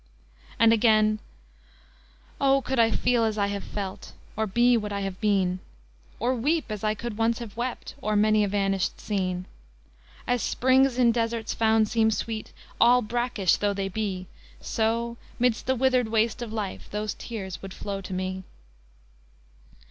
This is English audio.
and again, "O could I feel as I have felt or be what I have been, Or weep as I could once have wept, o'er many a vanished scene; As springs in deserts found seem sweet, all brackish tho' they be, So, midst the withered waste of life, those tears would flow to me."